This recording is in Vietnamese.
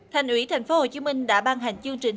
thành ủy tp hcm đã ban hành chương trình